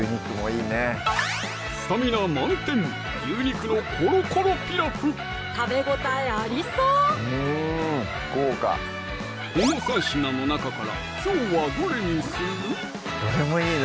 スタミナ満点食べ応えありそうこの３品の中からきょうはどれにする？